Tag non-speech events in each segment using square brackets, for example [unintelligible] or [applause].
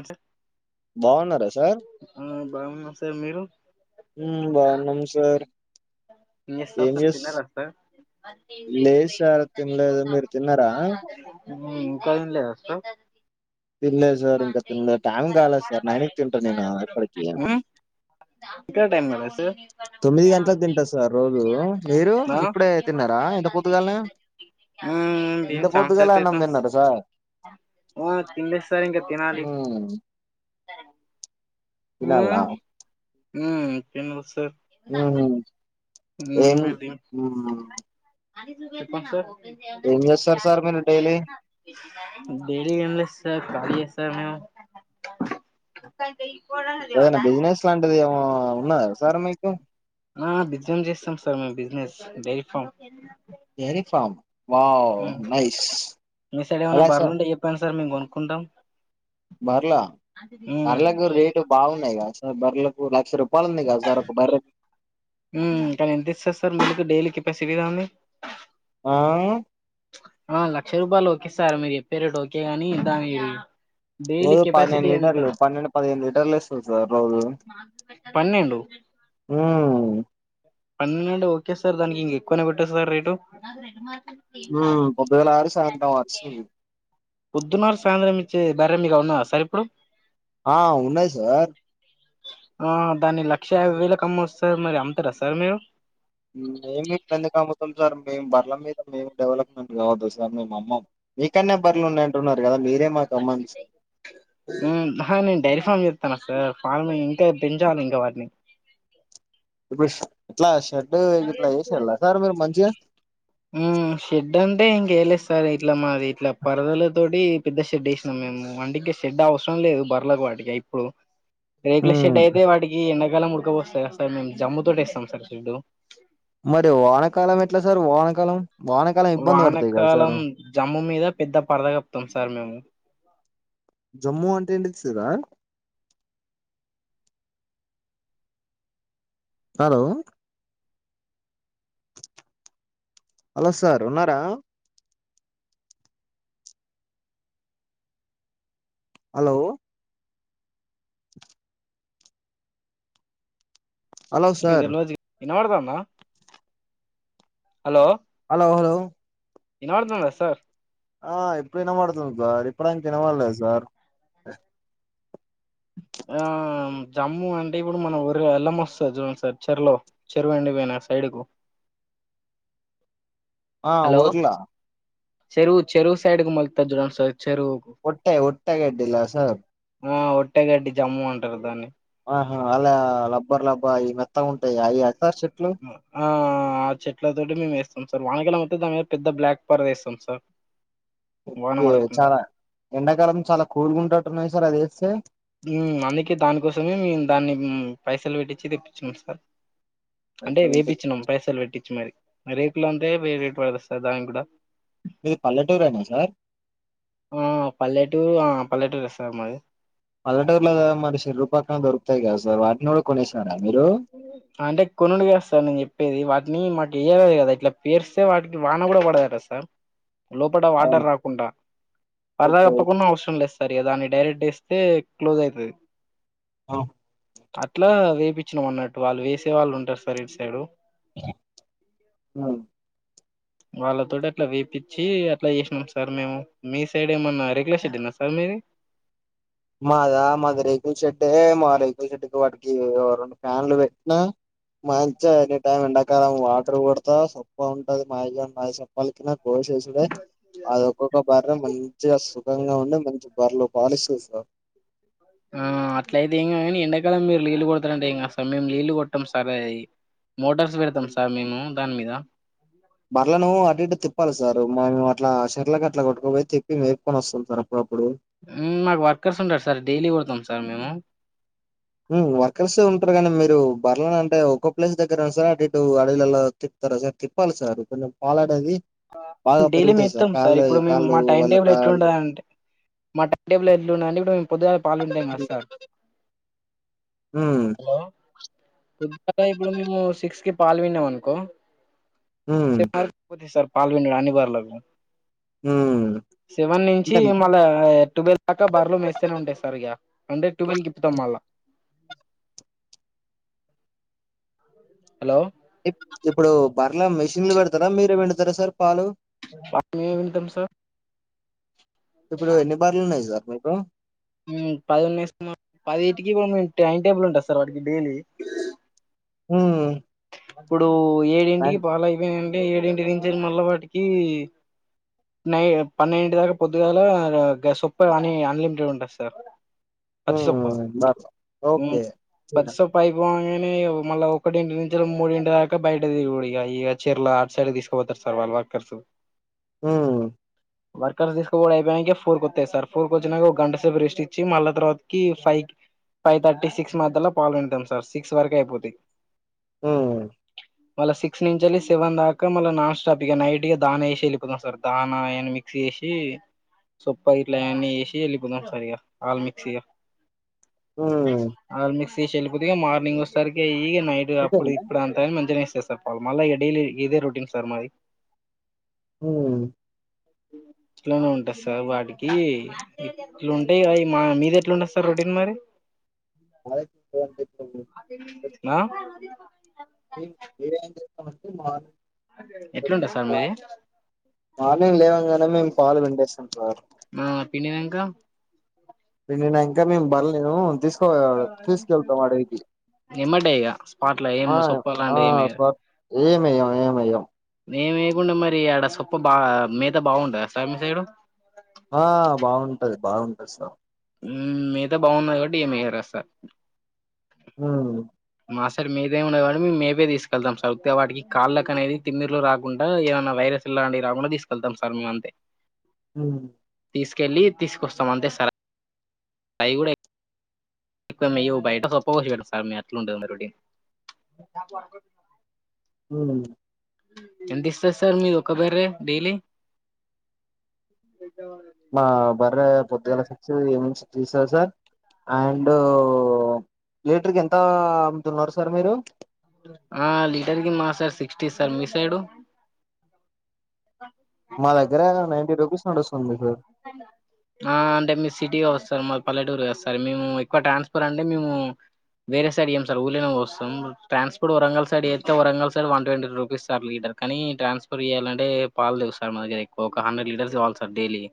ఏ sir బాగున్నారా sir బాగున్నా sir మీరు ఉ బాగున్నాం సార్ ఎన్ చేస్తారు ఏం సార్ చేస్ తిన్నారా సార్ లేదు సార్ తినలేదు. మీరు తిన్నారా? ఇంకా తినలేదా సార్ తినలేదు సార్ ఇంకా హు తినలేదు. టైం కాలేదు సార్. తింటా నేను ఎప్పటికి. ఇంక టైం కాలేదా సార్ తొమ్మిది గంటలకు తింటారు సార్ రోజు మీరు ఆ ఇప్పుడే తిన్నారా ఇంత పొద్దుగాలనే ఉమ్ ఇంత తిని చానా సేపు పొద్దుగాలనే అన్నం అయితాంది తిన్నారా సార్ ఆ తినలేదు సార్ ఇంకా తినాలి హ్మ్. తినాల్నా హా తినల్ సార్ ఏం చెప్పండి సార్ ఏం చేస్తారు సార్ మీరు డైలీ? డేలీ ఎం లే స్ సార్ ఖాళీ ఏ సార్, మేము ఏదనా బిజినెస్ లాంటిది ఏమో ఉన్నద సార్ మీకు బిజెస్ dairy form [inaudible] డేరి farm wow nice మీ సైడ్ ఏమైనా ఎలాస బర్రలు ఉంటే చెప్పండి సార్ మేము కొనుకుంటాం బర్ల బర్లకు రేట్ బాగున్నాయి సార్ బర్లకు లక్ష రు పాలుంది కా సార్ ఒక బర్రేకు డెలీ కెపాసిటీ ఎలా ఉంది ఆ ఆ లక్ష రూపాయలు ఒకె సార్ మీరు చెప్పేరేట్ ఒకే గాని దాని డైలీ రోజు కెపాసిటీ పన్నెండు ఎంత లీటర్లు పన్నెండు పదిహేను లీటర్లు ఇస్తా సార్ రోజు పన్నెండు ఉమ్ పన్నెండు అండి ఓకే సార్ దానికి ఇంక ఎక్కువనే పెట్టచు సార్ రేటు ఉమ్ పొద్దుగాల ఆరు సాయంత్రం ఆరు ఇస్తుంది పుద్దునార్ సాయంత్రం చే బర్రె మీకాడ ఉన్నాదా సార్ ఇప్పుడు ఆ ఉన్నాయి సార్ ఆ దాన్ని లక్ష యాభై వేలకు అమ్మ వస్త సార్ మరి అమ్ముతారా సార్ మీరు ఏమి ఇప్పుడుందు కాముతం సార్ మేము బర్ల మీద మేము డెవలప్మెంట్ కావద్దు సార్ మే అమ్మ మీకనే బర్లు ఉన్నాయి అంటున్నారు కదా మీ ఆహా నేను డైరి ఫార్మ్ చెతానా సార్ పళమ ఇంకా పెంచాలి ఇంకా వాటిని ఇప్పుడు ఎట్లా షర్ట్ షెడ్ అంటే ఇంకేలిస్త సరే ఇట్లా మాది ఇట్ల పరదల తోటి పెద్ద షెడ్ వేసినాం మేము అండీకే షెడ్ అవసరం లేదు బర్ల కు వాటిక ఇప్పుడు రేక్ల ఉమ్ షెడ్ అయితే వాటికి ఎన్ కాలం ముడకపోస్తది కదా సార్ మేము జమ్ముతోటేస్తం సార్ షేడ్డు మరి వానకాలం ఎట్లా సార్ ఓనకాలం వానకాలం జమ్ము మీద పెద్ద పరద కప్తాం సార్ మేము సి రా హలో హలో సార్ ఉన్నారా హలో హలో సార్ వినపడుతందా హలో హలో హలో ఇనపడుతుందా సార్ ఆ ఇప్పుడు వినబడుతుంది సార్ ఇప్పడిదంక వినపడలేదు సార్ ఆ జమ్మూ అంటే ఇప్పుడు మనం ఒర వెల్లం వస్తుంది చూడండి సార్ చెరలో చెరువు వెండిపోయిన సైడ్కు ఆ ఊర్లా చెరువు చెరువు సైడ్ మల్త జుం స ఒట్టే ఒట్టగా అడ్డిలా సార్ అట్టే గడ్డి జమ్ము అంటారు దాన్ని ఆహా అలా లబ్బర్ లబ్బా అవి మెత్త ఉంటాయి అవి అ చె ఆ ఆ ఆ చెట్లతోటి మేము వేస్తాం సార్ వానకాలమైతే దాని మీద పెద్ద బ్లాక్ పర్ద్ వేస్తాం సార్ వాన కే పడకుండా చాలా ఎండాకాలం చాలా కూలుగా ఉంటుట్టున్నాయి సార్ అదే స మ్మ్ అందుకే దానికోసమే మేము దాన్ని పైసలు పెట్టించి తెప్పించిన సార్ అంటే వేపిచ్చినం పైసలు వెట్టిచ్చి మరి రేకులు అంతే వేరే రేట్ పడుదు సార్ దానికి కూడా మీది పల్లెటూరేనా సార్ ఆ పల్లెటూరు ఆ పల్లెటూరే సార్ మాది పల్లెటూర్లో మరి చెరువు పక్కన దొకుతయిద కదా సార్ వాటిని ఎవరు అంటే కొనుడుగా సర్ నేను చెప్పేది వాటిని మట్ తీయలేదు కదా ఇట్లా పేరుస్తే వాటికి వాన కూడా పడదటా సార్ లోపడ అవునా వాటర్ రాకుండా పరదా ఓకే ఓకే కప్పకుండా అవసరం లేద్ సర్ ఇగ దాన్ని డైరెక్ట్ వేస్తే క్లోజ్ అయితది అ అట్లా వేపించినం అన్నట్టు వాళ్ళు వేసే వాళ్ళుంటారు సర్ ఇటు సైడు [unintelligible] అవున్ వాళ్ళతోటి అట్లా వేపిచ్చి అట్లా చేసినాం సార్ మేము, మీ సైడ్ ఏమన్నా రెకులషెడ్ యేనా సార్ మీది. మాదా మాది రేకుల్ షెడ్డే మా రేకుల్ షెడ్డు కు వాటికి రెండు ఫ్యాన్లు పెట్టినా మంచిగా ఎనీ టైమ్ ఎండాకాలం వాటర్ కొడత సొప్ప ఉంటది, మావిగా మా సొప్పలికినా. కోశేషుడే అది ఒక్కొక్క బార్రెను మంచిగా సుఖంగా ఉండి మంచి బర్లు పాలిషూస్ ఆ అట్లయితే ఏంగానీ ఎండాకాలం మీరు నీళ్ళలు కొడతారంటే ఏంకాస మేము నీళ్లు కొట్టాం సరేది మోటార్స్ పెడతాం సార్ మేము దాని మీద మరలా నువ్వు అటు ఇటు తిప్పాలి సార్ మా మేము అట్లా ఆశ ఇట్లాకి అట్లా కొట్టుపోయి తప్పి మేర్కొ వస్తుంటారు అప్పుడప్పుడు మాకు వర్కర్స్ ఉంటడు సార్ డైలీ కొడతాం సార్ మేము వర్కర్స్ ఉంటారు కానీ మీరు బర్లే అంటే ఒక్కో ప్లేస్ దగ్గర ఉ సార్ అటుటు అడవిలలో తితారుా సార్ తిప్పాలి సార్ కొంచెం పాలడేది డైలీ మేము ఇస్తాం సార్ ఇప్పుడు మేము కాళ్ళు మా టైం వాళ్ళ టేబుల్ కాళ్ళు ఎట్లుండ అంటే మా టైం టేబుల్ ఎట్లుండే ఇప్పుడు మేము ఒకద పాలంటే మా సార్ హు ద్ ఇప్పుడు మేము సిక్స్ కి పాలు విన్నాం అనుకో హ్మ్. తెల్లారిపోది సార్ పాల్ వినుడుడే అన్ని బర్లకు హ్మ్. సెవెన్ నుంచి అంటే మళ్ళా టువెల్ దాకా బర్లు మెస్తనే ఉంటాయి సార్ ఇగ అంటే టువెల్కు ఇప్పుతాం మళ్ళ హలో ఇప్పుడు బర్ల మిషిన్లు పెడుతారా మీరే పిండుతారా సార్ పాలు మేమే పిండుతాం సార్ ఇప్పుడు ఎన్ని బర్లు ఉన్నాయి సార్ నికు ఉ పదిన్ను యేసిన పదిటికి ఇప్పు టైం టేబుల్ ఉంటది సార్ వాటికి డైలీ హు ఇప్పుడు ఏడింటికి పాలు అయిపేనై ఏడింటి నుంచి మళ్ళ వాటికి నై పన్నెంటి దాకా పొద్దుగాల సొప్ప అని అన్లిమిటెడ్ ఉంటది సార్ పచ్చసోప్పా హ్మ్. బర్రె. ఓకే. చిన్న పచ్చసోప్పా అయిపొంగనే లేవు మళ్ళా ఒకటింటి నుం చి రెండు మూడింటి దాకా బయట తిరుగుడే ఇగ ఇగ చర్ల అటు సైడ్ తీసుకుపోతారు సార్ వాళ్ళ వర్క్కర్స్ హు వర్కర్స్ తీసుక పోవుడు అయిపోయినాక ఫోర్ కొతాయి సార్ ఫోర్ కు వచ్చినాక ఒక గంట సేపు రెస్ట్ ఇచ్చి మళ్ళా తర్వాతకి ఫైవ్ కి ఫైవ్ థర్టీ సిక్స్ మధ్యలో పాల్ విండుతం సార్ సిక్స్ వరకు అయిపోతయి ఉ మళ్ళా సిక్స్ నుంచెలి సెవెన్ దాకా మళ్ళా నాన్ స్టాప్ ఇగ నైట్ ఇగ దాన ఏసి వెళ్ళిపోదాం సార్ దాన అయన్నీ మిక్స్ చేసి సొప్ప గిట్ల అయన్ని ఏసి వెళ్ళిపోదాం సార్ ఇగ ఆల్ మిక్స్ ఇగ హ్మ్. ఆల్ మిక్స్ తీసి ఏలిపోతిగా మార్నింగ్ వస్తరికి ఈగలు నైట్ కప్ ఇప్పుడు అంతేనా? ఇప్పుడు అంతైనా మంచిగాచేస్ చేస్తరు పాల్ మళ్ళ ఇగ డైలీ గిదే రొటీన్ సార్ మాది హు ఇట్లనే ఉంటంది సార్ వాటికి ఇట్లుంటాయి అవి మా మీది ఎట్లుంటంది సార్ రొటీన్ మరి మాది సేమ్ థింగ్ ఆ ఏం ఏం చేస్తామంటే మాను ఎట్లుంటది సార్ మీది మార్నింగ్ లేవంగానే మేము పాలు విండేస్తం సార్ ఆ పిండినంక పిండినంకా మేము బర్లేను తీసు పోదాం తీసుకెళ్తాం అడవికి ఎమ్మటే ఇగ స్పాట్ల ఏం ఆ సొప్ప ఆ లాంటిది ఏమి సర్ ఏమేయం ఏమెయ్యం ఏం ఏయకుండా మరి ఆడ సొప్ప బా మిత బాగుండ స్వామి సైడు ఆ బాగుంటది బాగుంటది సార్ ఉమ్ మిగతా బాగున్నా కాబట్టి ఏమిారుస్తారు ఉమ్ మాస్టార్ మీదేమండ కానీ మేము మేపే తీసుకెళ్తాం సార్ వే వాటికి కాళ్ళక అనేది తిన్నీరులు రాకుండా ఏమన్నా వైరస్ ఇలాంటివి రాకుండా తీసుకెళ్తాం సార్ అంతే ఆమ్ తీసుకెళ్ళి తీసుకొస్తాం అంతే సరే అయికూడా ఇ మె ఉబయిట సొప్ప పోషడ సార్ మట్లు ఉండ మడి ఉమ్ ఎంత ఇస్తంది సార్ మీరు ఒక బరే డైలీ మా బర్ర పొద్దుగాల సిక్స్ ఇవినింగ్ సిక్స్ చసారు సార్ అండ్ లీటర్ క ఎంత అ అమ్ముతున్నారు సార్ మీరు ఆ లీటర్ కి మా సార్ సిక్స్టీ సార్ మీ సైడు మా దగ్గర నైంటీ రూపీస్ నడుస్తుంది ఇప్పుడు ఆ అంటే మీ సిటీగా వస్తార్ మా పల్లెటూరుగాస్తార్ మేము ఎక్కువ ట్రాన్స్ఫర్ అంటే మేము వేరే సైడ్ ఇయము సార్ ఊర్ళ వస్తాం ట్రాన్స్ఫర్ వరంగల్ సైడ్ వస్తతే Warangal side one twenty rupees sir litre కానీ ట్రాన్స్ఫర్ చేయాలింటే పాలు దిగు సార్ మా దగ్గ ఎవ ఒక హండెడ్ లీటర్స్వాలి సార్ డైలీ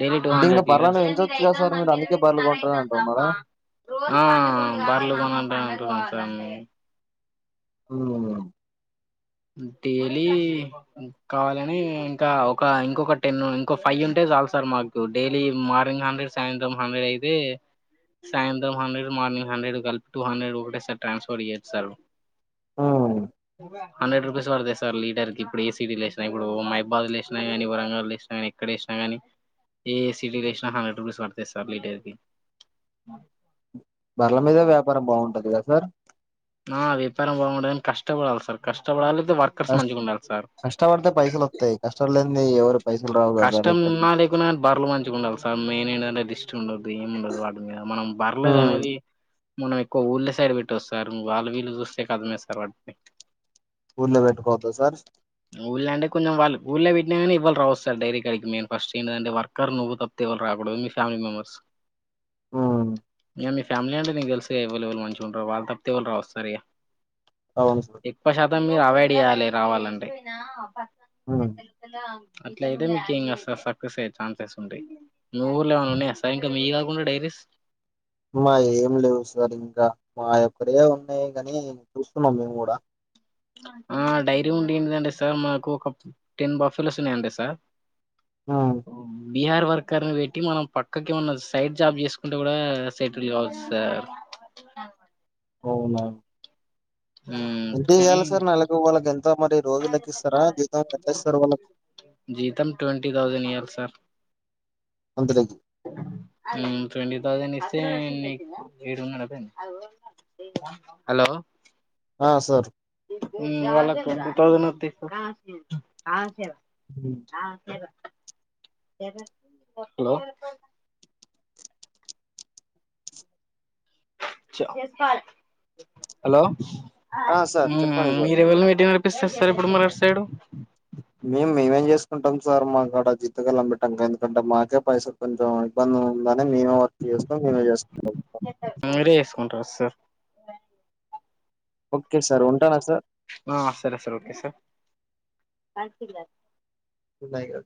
డెలీ అంటే ఇంకా టూహండ్రెడ్ లీటర్స్ బర్లను పెంచొచ్చు కదా సార్ మీరు అందుకే బర్లు సార్ కొంటారు అంటున్నారా ఆ బరెలు అమ్ డైలీ కావాలని ఇంకా ఒక ఇంకొక టెన్ ఇంకోొ ఫైవ్ ఉంటే చాలి సార్ మాకు డైలీ మార్నింగ్ హండ్రెడ్ సాయంత్రం హండ్రెడ్ అయితే సాయంత్రం హండ్రెడ్ మార్నింగ్ హండ్రెడ్ కలిపి టూ హండ్రెడ్ ఒకటే సార్ ట్రాన్స్ఫర్ ఇయ్యచ్చు సార్ మ్మ్ హండ్రెడ్ రూపీస్ పడతా సార్ లీటర్కి ఇప్పుడు ఏ సిటీలో వేసినా ఇప్పుడు మహైబాద్లో వేినా కానీ వరంగల్ లో వేసినా కాని ఎక్కడేసినా కానీ ఏ ఏ సిటీలో వేినా హండ్రెడ్ రూపీస్ పడతేయి సార్ లీటర్కి బరల మీద వ్యాపారం బాగుంటది కదా సార్ ఆ వ్యాపారం బాగుండదని కష్టపడాలి సార్ కష్టపడాలి లేకపోతే వర్కర్స్ కష్ట మంచిగా ఉండాలి సార్ కష్టపడుతే పైసలు వస్తాయి కష్టపడలే ఇవ్వరు కష్టం ఉన్నా లేకున్నా బర్రెలు మంచిగా ఉండాలి సార్ మెయిన్ ఏంటంటేది ఉన్న బియ్యం వాడుమ మనం ఉమ్, బర్లేదనేది మనం ఎక్కువ ఊళ్ళ సైడ్ పెట్టొస్త సార్ వాళ్ళు వీళ్ళు చూస్తే కథమే సార్ వాటిని ఊల్లో పెట్టుకోవద్దా సార్ ఊళ్ళ అంటె కొంచెం ఊళ్ళ విట్నా కానీ ఇవ్వళ రావచ్చ సార్ డైరీ కడికి మేన్ ఫస్ట్ ఏంటంటే వర్కర్ నువ్వు తప్పి ఇవ్వళ రాకూడదు మీ ఫ్యామిలీ మెంబర్స్ మ్మ్ ఇక మీ ఫ్యామిలీ అంటే నీక్ తెలుసా అవైలబుల్ మంచి ఉంటారు వాళ్ళ తప్పతే ఎవరు రారు వస్తారు అవును సార్ ఎక్కువ సాతం కూడా ఎవైడ్ ఇయాలె రావాలండి నా బ మ్మ్ ల అట్లయితే మీకింక సక్సెస్ అయ్యే ఛాన్సెస్ ఉంట నూ ఊర్లో ఉన్నా సాయింక మీగా ఫుల్ డైనిస్ మా ఏం లేవు సార్ ఇంకా మా ఒక్కరే ఉన్నాయి కాని చూస్తున్నాం మేము కూడా డైరీ ఉండిదండి సార్ మాకు ఒక టెన్ బాఫీలు వస్తున్నాయండి సార్ ఆ బీహార్ వర్కర్ ని పెట్టి మనం పక్కకి ఏమన్న సైడ్ జాబ్ చేసుకుంటే కూడా సెటిల్ కావచ్చు సార్ అవునా ఎంత కానీ ఇయ్యాలి సార్ నెలకు వాళ్ళకి ఎంత మరి రోజు లెక్కిస్తారా జీతం ఎట్లా ఇస్తారు వాళ్ళకి జీతం ట్వంటీ థౌసండ్ ఇయ్యాలి సార్ అందరికి ట్వ థౌజడ్ ఇస్త డు హలో ఆ సార్ వాళ్ళకు టూ థౌసండ్ హ్మ్. ఆ హలో హలో ఆ సార్ చెప్పండి సార్ మీర ఎవనా పెట్టిన చెపిస్తారు సార్ ఇప్పుడు మనెడు సైడు మేము మేమేం చేసుకుంటాం సార్, మాకు అడ జితుగాలు అంబటం ఎందుకంటే మాకే పైసలు కొంచెం ఇబ్బంది ఉంద మేమే వర్క్ చేస్తాం మేమే చేసుకుంటాం మీరే చేసుకుంటారు సార్ ఓకే సార్ ఉంటానా సార్ ఆ సరే సార్ ఓకే సార్ న్నా